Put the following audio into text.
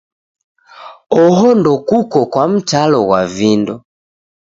Oho ndokuko kwa mtalo ghwa vindo